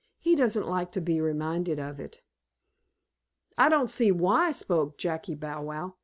He doesn't like to be reminded of it." "I don't see why," spoke Jackie Bow Wow.